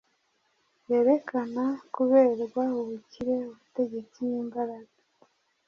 ryerekana kuberwa, ubukire, ubutegetsi n’imbaraga.